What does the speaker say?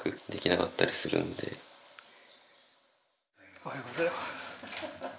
おはようございます。